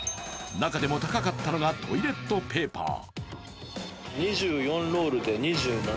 中でも高かったのがトイレットペーパー。